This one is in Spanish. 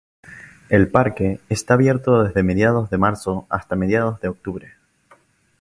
El parque está abierto desde mediados de marzo hasta mediados de octubre.